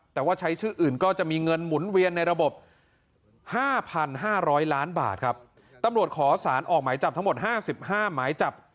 แต่ว่าใช้ชื่ออื่นก็จะมีเงินหมุนเวียนในระบบห้าพันห้าร้อยล้านบาทครับตำรวจขอสารออกหมายจับทั้งหมดห้าสิบห้าหมายจับ